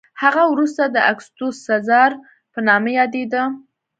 هغه وروسته د اګوستوس سزار په نامه یادېده